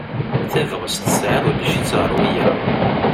Tabɣest tesɛiḍ ulac-itt ɣer wiyaḍ.